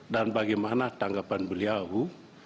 dan bagaimana tanggapan beliau